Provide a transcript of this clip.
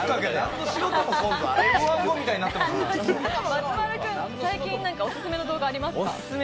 松丸君、最近おすすめの動画ありますか？